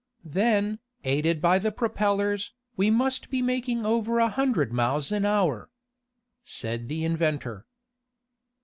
"Then, aided by the propellers, we must be making over a hundred miles an hour." said the inventor.